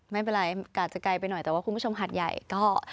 ไม่เป็นไรอาจจะไกลไปหน่อยแต่ว่าคุณผู้ชมหัดใหญ่ก็